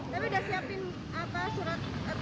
bapak udah siapin apa surat